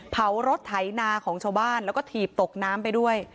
เผารถไถนาของชาวบ้านแล้วก็ถีบตกน้ำไปด้วย